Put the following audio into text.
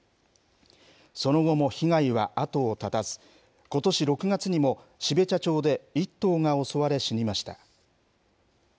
その後も被害は後を絶たず、ことし６月にも、標茶町で１頭が襲われ、死にました。